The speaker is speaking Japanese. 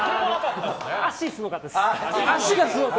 足がすごかったです。